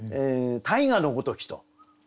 「大河のごとき」と。